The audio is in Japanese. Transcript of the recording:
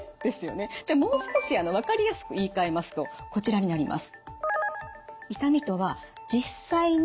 じゃあもう少し分かりやすく言いかえますとこちらになります。